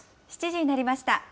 ７時になりました。